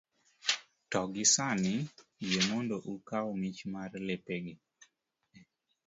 to gi sani, yie mondo ukaw mich mar lepegi